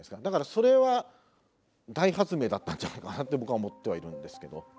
だからそれは大発明だったんじゃないかなって僕は思ってはいるんですけど。